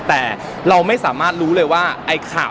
แต่เราไม่สามารถรู้เลยว่า